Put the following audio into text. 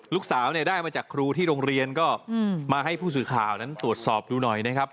ลูกสาวเนี่ยได้มาจากครูที่โรงเรียนก็มาให้ผู้สื่อข่าวนั้นตรวจสอบดูหน่อยนะครับ